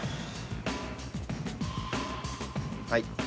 はい。